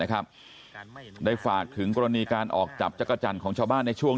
ได้ฝากถึงกรณีการออกจับจักรจันทร์ของชาวบ้านในช่วง